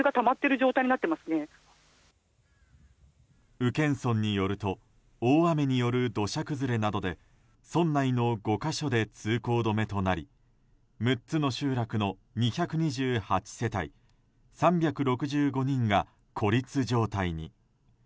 宇検村によると大雨による土砂崩れなどで村内の５か所で通行止めとなり６つの集落の２２８世帯３６５人が孤立状態に。